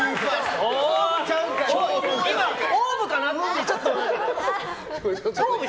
今、ＯＷＶかなってちょっと。